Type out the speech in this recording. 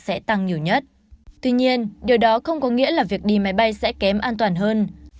sẽ tăng nhiều nhất tuy nhiên điều đó không có nghĩa là việc đi máy bay sẽ kém an toàn hơn